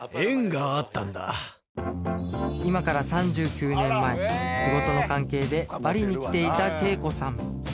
今から３９年前仕事の関係でバリに来ていた恵子さん